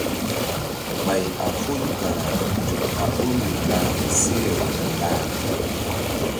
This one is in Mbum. Ɓay a foyu kara nzuk a ɓoruri lah ke seh-aw la-lah pi.